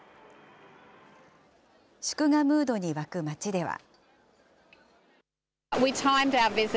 祝賀ムードに沸く街では。